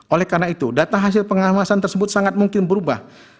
oleh karena itu data hasil pengawasan tersebut sangat mungkin berubah